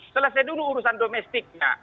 selesai dulu urusan domestiknya